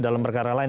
dalam perkara lain